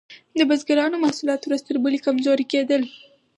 د بزګرانو محصولات ورځ تر بلې کمزوري کیدل.